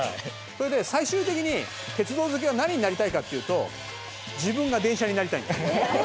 それで最終的に、鉄道好きは何になりたいかっていうと、自分が電車になりたいんです。